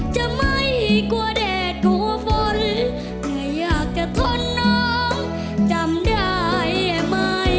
จะไม่กลัวแดดกลัวฝนเมื่ออยากจะทนน้องจำได้ไหม